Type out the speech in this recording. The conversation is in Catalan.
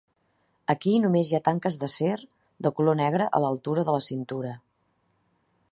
Aquí només hi ha tanques d'acer de color negre a l'altura de la cintura.